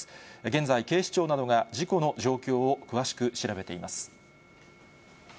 現在、警視庁などが事故の状況を詳しく調べています。